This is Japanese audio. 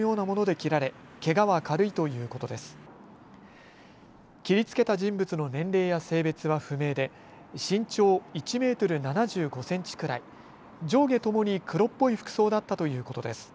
切りつけた人物の年齢や性別は不明で身長１メートル７５センチくらい、上下ともに黒っぽい服装だったということです。